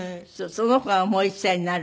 その子がもう１歳になる。